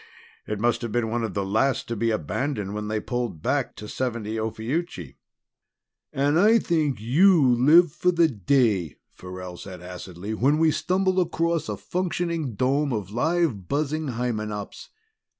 It must have been one of the last to be abandoned when they pulled back to 70 Ophiuchi." "And I think you live for the day," Farrell said acidly, "when we'll stumble across a functioning dome of live, buzzing Hymenops.